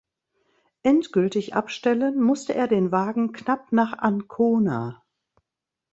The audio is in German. Endgültig abstellen musste er den Wagen knapp nach Ancona.